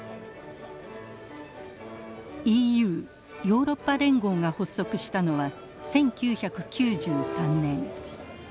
ＥＵヨーロッパ連合が発足したのは１９９３年。